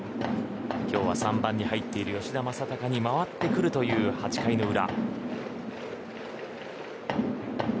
今日は３番に入ってる吉田正尚に回ってくるという８回の裏。